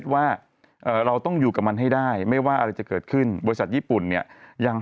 ว่าเราต้องอยู่กับมันให้ได้ไม่ว่าอะไรจะเกิดขึ้นบริษัทญี่ปุ่นเนี่ยยัง